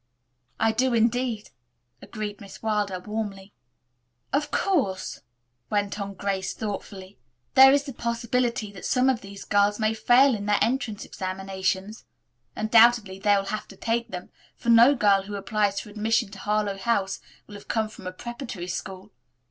"I do, indeed," agreed Miss Wilder warmly. "Of course," went on Grace thoughtfully, "there is the possibility that some of these girls may fail in their entrance examinations. Undoubtedly they will have to take them, for no girl who applies for admission to Harlowe House will have come from a preparatory school.